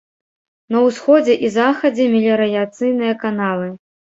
На ўсходзе і захадзе меліярацыйныя каналы.